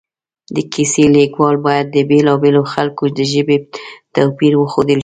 د کیسې لیکوال باید د بېلا بېلو خلکو د ژبې توپیر وښودلی شي